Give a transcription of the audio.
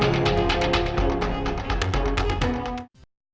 kalau kita liat suatu luar biasa unrealistic cuma harus di pilih ahmadi urut yaaak ayo